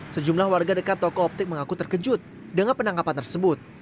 sejumlah warga dekat toko optik mengaku terkejut dengan penangkapan tersebut